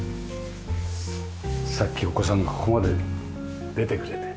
さっきお子さんがここまで出てくれて。